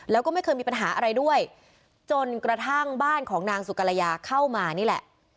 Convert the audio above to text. แล้วก็ไม่เคยมีปัญหาอะไรด้วยจนกระทั่งบ้านของนางสุกรยาเข้ามานี่แหละ